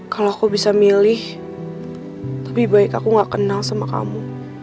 kalau aku bisa milih lebih baik aku gak kenal sama kamu